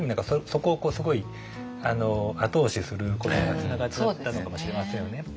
そこをすごい後押しすることにつながっちゃったのかもしれませんよね。